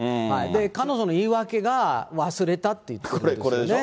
彼女の言い訳が忘れたっていうここれでしょ？